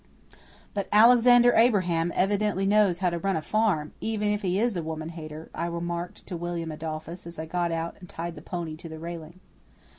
"But Alexander Abraham evidently knows how to run a farm, even it he is a woman hater," I remarked to William Adolphus as I got out and tied the pony to the railing.